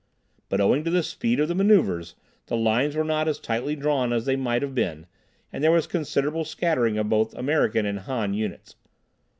But owing to the speed of the maneuvers, the lines were not as tightly drawn as they might have been, and there was considerable scattering of both American and Han units.